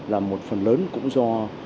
là một phần lớn cũng do